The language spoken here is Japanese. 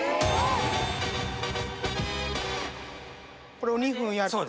これを２分やって。